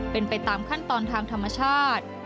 เป็นไปตามขั้นตอนทางธรรมชาติ